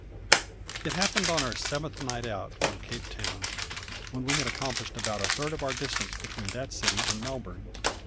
It happened on our seventh night out from Cape Town, when we had accomplished about a third of the distance between that city and Melbourne.